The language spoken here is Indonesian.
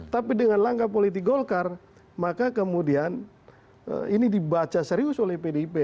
tapi dengan langkah politik golkar maka kemudian ini dibaca serius oleh pdip